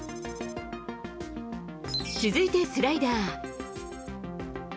続いてスライダー。